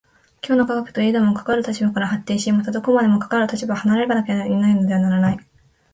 今日の科学といえども、かかる立場から発展し、またどこまでもかかる立場を離れないものでなければならない。